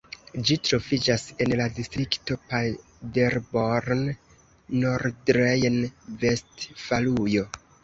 Ĝi troviĝas en la distrikto Paderborn, Nordrejn-Vestfalujo.